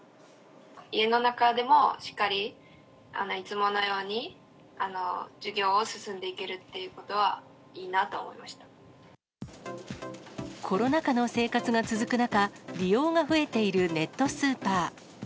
家の中でも、しっかりいつものように授業を進めていけるということはいいなとコロナ禍の生活が続く中、利用が増えているネットスーパー。